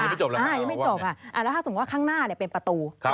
อ้าวยังไม่จบแล้วค่ะแล้วถ้าสมมุติว่าข้างหน้าเป็นประตู